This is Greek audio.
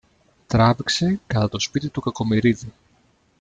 τράβηξε κατά το σπίτι του Κακομοιρίδη.